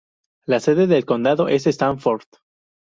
La sede del condado es Stafford.